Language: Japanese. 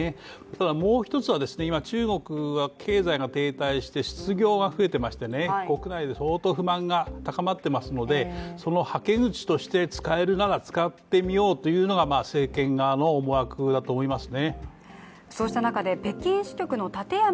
ただ、もう一つは今，中国は経済が停滞して、失業が増えていまして、国内で相当不満が高まっていますので、そのはけ口として使えるなら使ってみようというのが政権側の思惑だと思います。